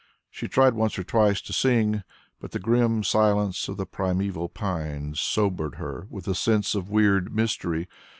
She tried once or twice to sing, but the grim silence of the primeval pines sobered her with a sense of weird mystery.